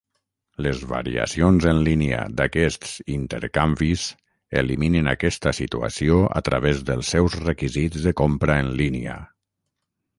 Les variacions en línia d'aquests intercanvis eliminen aquesta situació a través dels seus requisits de compra en línia.